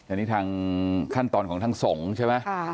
อันนี้ทางขั้นตอนของทางสงฆ์ใช่ไหม